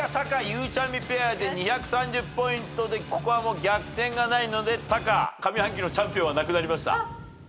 ゆうちゃみペアで２３０ポイントでここはもう逆転がないのでタカ上半期のチャンピオンはなくなりました。